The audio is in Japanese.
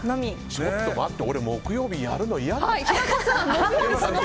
ちょっと待って木曜日にやるの嫌だな。